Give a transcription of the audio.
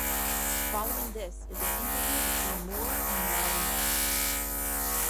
Following this is an interview between Moore and Marilyn Manson.